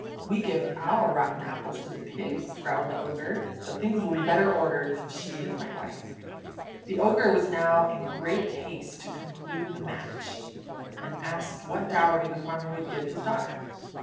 "We give our rotten apples to the pigs," growled the Ogre. "But things will be better ordered when she is my wife." The Ogre was now in great haste to conclude the match, and asked what dowry the farmer would give his daughter.